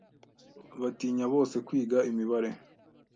batinya bose kwiga imibare